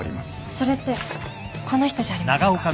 それってこの人じゃありませんか？